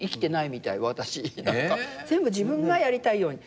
全部自分がやりたいように。